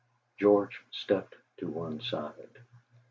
George stepped to one side.